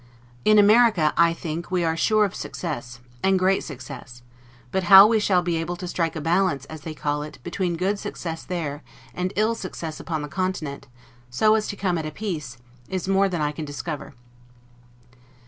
In America. I think, we are sure of success, and great success; but how we shall be able to strike a balance, as they call it, between good success there, and ill success upon the continent, so as to come at a peace; is more than I can discover.